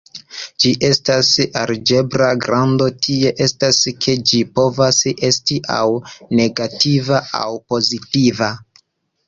Ĝi estas algebra grando, tie estas, ke ĝi povas esti aŭ negativa aŭ pozitiva.